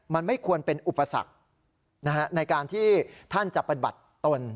มันไม่ควรเป็นอุปสรรคในการที่ท่านจะปฏิบัติตน